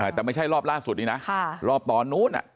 แต่ไม่ใช่รอบล่าสุดนี้นะรอบตอนนู้น